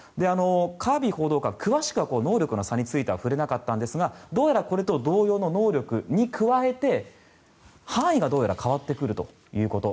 カービー報道官詳しくは能力の差については触れなかったんですがどうやらこれと同様の能力に加えて範囲がどうやら変わってくるということ。